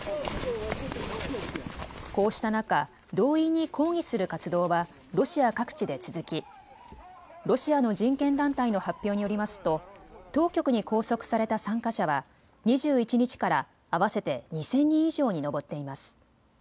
こうした中、動員に抗議する活動はロシア各地で続きロシアの人権団体の発表によりますと当局に拘束された参加者は２１日から合わせて２０００人以上に上っています。